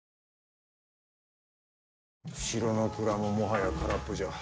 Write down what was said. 城の蔵ももはや空っぽじゃ。